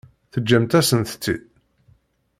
Teǧǧamt-asent-t-id.